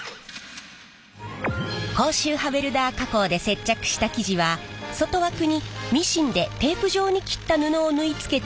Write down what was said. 高周波ウェルダー加工で接着した生地は外枠にミシンでテープ状に切った布を縫い付けた